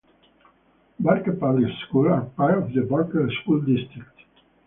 Burke Public Schools are part of the Burke School District.